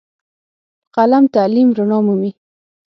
په قلم تعلیم رڼا مومي.